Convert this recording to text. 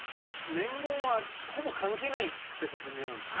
年号はほぼ関係ないってことになるんですか？